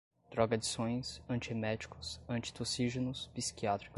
drogadições, antieméticos, antitussígenos, psiquiátricos